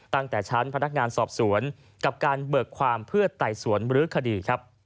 ตั้งแต่ชั้นพนักงานสอบสวนกับการเบิกความเพื่อไต่สวนบรื้อคดีครับ